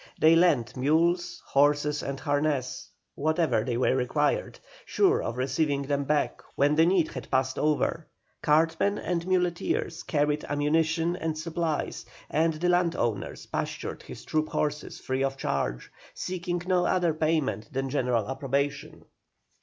They lent mules, horses, and harness, whenever they were required, sure of receiving them back when the need had passed over; cartmen and muleteers carried ammunition and supplies, and the landowners pastured his troop horses, free of charge, seeking no other payment than general approbation.